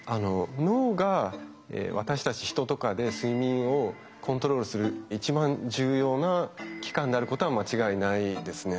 脳が私たち人とかで睡眠をコントロールする一番重要な器官であることは間違いないですね。